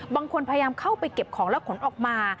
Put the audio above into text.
บางคนพยายามเข้าไปเก็บของแล้วขนออกมา